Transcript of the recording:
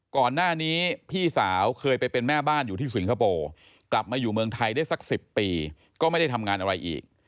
ก่อนหน้านี้พี่สาวเคยไปเป็นแม่บ้านอยู่ที่สิงคโปร์กลับมาอยู่เมืองไทยได้สัก๑๐ปีก็ไม่ได้ทำงานอะไรอีก